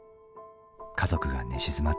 家族が寝静まったあと。